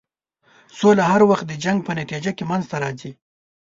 سوله هر وخت د جنګ په نتیجه کې منځته راځي.